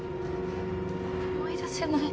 思い出せない。